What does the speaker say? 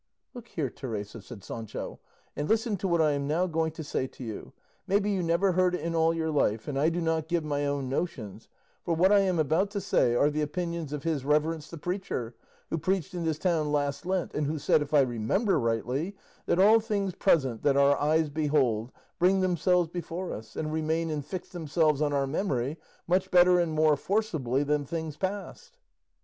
"Look here, Teresa," said Sancho, "and listen to what I am now going to say to you; maybe you never heard it in all your life; and I do not give my own notions, for what I am about to say are the opinions of his reverence the preacher, who preached in this town last Lent, and who said, if I remember rightly, that all things present that our eyes behold, bring themselves before us, and remain and fix themselves on our memory much better and more forcibly than things past."